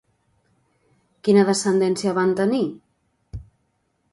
Quina descendència van tenir?